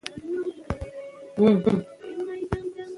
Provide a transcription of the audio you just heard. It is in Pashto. که ناروغان لارښود تعقیب نه کړي، ګټه به محدوده وي.